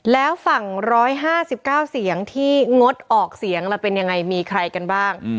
แล้วฝั่ง๑๕๙เสียงที่งดออกเสียงเราเป็นยังไงมีใครกันบ้าง